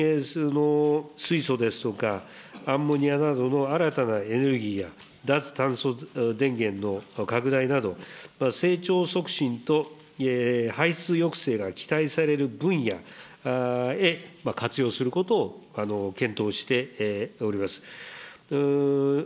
水素ですとか、アンモニアなどの新たなエネルギーや、脱炭素電源の拡大など、成長促進と排出抑制が期待される分野へ活用することを検討しております。